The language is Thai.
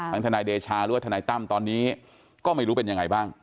ทนายเดชาหรือว่าทนายตั้มตอนนี้ก็ไม่รู้เป็นยังไงบ้าง